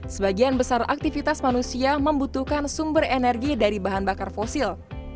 sebagian besar aktivitas manusia membutuhkan sumber energi dari bahan bakar fosil